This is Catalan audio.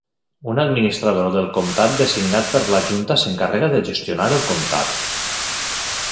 Un administrador del comtat designat per la junta s'encarrega de gestionar el comtat.